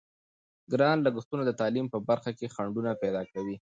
ګران لګښتونه د تعلیم په برخه کې خنډونه پیدا کوي.